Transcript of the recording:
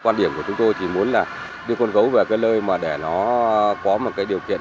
quan điểm của chúng tôi thì muốn là đưa con gấu về cái nơi mà để nó có một cái điều kiện